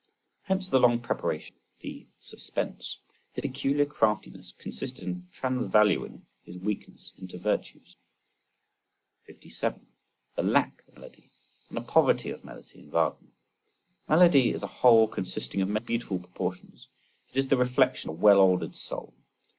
Hence the long preparation, the suspense. His peculiar craftiness consisted in transvaluing his weakness into virtues.— 57. The lack of melody and the poverty of melody in Wagner. Melody is a whole consisting of many beautiful proportions, it is the reflection of a well ordered soul.